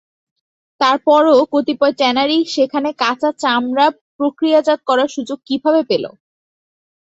তারপরও কতিপয় ট্যানারি সেখানে কাঁচা চামড়া প্রক্রিয়াজাত করার সুযোগ কীভাবে পেল?